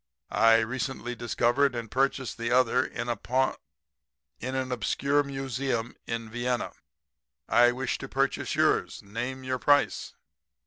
I recently discovered and purchased the other in a pawn in an obscure museum in Vienna. I wish to purchase yours. Name your price.'